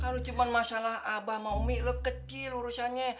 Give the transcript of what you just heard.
kalau cuma masalah abah mau umi lo kecil urusannya